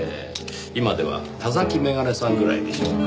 今では田崎眼鏡さんぐらいでしょうか。